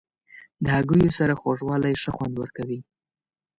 د هګیو سره خوږوالی ښه خوند ورکوي.